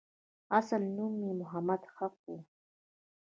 اصل نوم یې محمد حق وو.